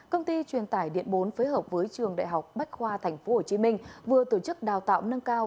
công ty truyền tải điện bốn phối hợp với trường đại học bách khoa tp hcm vừa tổ chức đào tạo nâng cao